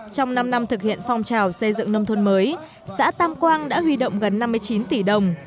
trong năm năm thực hiện phong trào xây dựng nông thôn mới xã tam quang đã huy động gần năm mươi chín tỷ đồng